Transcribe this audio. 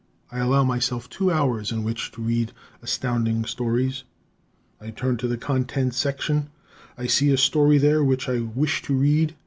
I allow myself two hours in which to read Astounding Stories. I turn to the contents section; I see a story there which I wish to read.